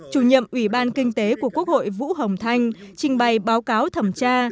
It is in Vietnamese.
chủ nhiệm ủy ban kinh tế của quốc hội vũ hồng thanh trình bày báo cáo thẩm tra